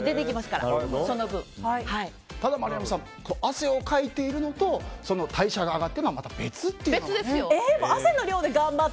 ただ、丸山さん汗をかいているのと代謝が上がってというのは別ということですね。